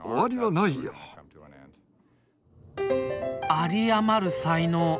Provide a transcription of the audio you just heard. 有り余る才能。